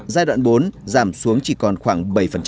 giai đoạn bốn giảm xuống chỉ còn khoảng bảy